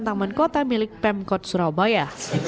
taman kota milik pemkot surabaya